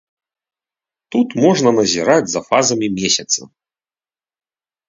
Тут можна назіраць за фазамі месяца.